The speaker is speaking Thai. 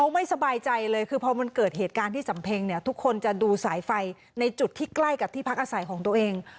อาจจะดูสายไฟในจุดที่ใกล้กับที่พักอาศัยของตัวเอง